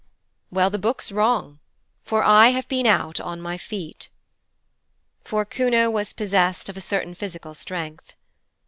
'Well, the Book's wrong, for I have been out on my feet.' For Kuno was possessed of a certain physical strength.